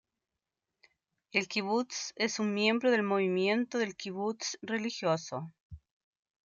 El kibutz es un miembro del Movimiento del Kibutz Religioso.